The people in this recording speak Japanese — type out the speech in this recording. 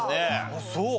あっそう。